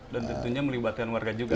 dan tentunya melibatkan warga juga pak